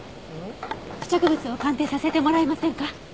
付着物を鑑定させてもらえませんか？